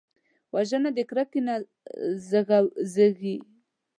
وژنه د کرکې نه زیږېږي